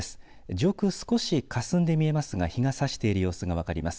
上空少しかすんで見えますが日がさしている様子が分かります。